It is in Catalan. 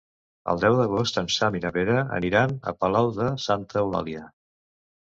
El deu d'agost en Sam i na Vera aniran a Palau de Santa Eulàlia.